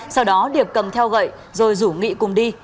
sau đó điệp cầm theo gậy rồi rủ nghị cùng đi